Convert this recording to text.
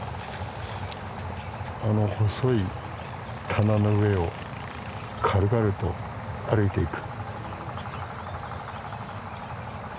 あの細い棚の上を軽々と歩いていく。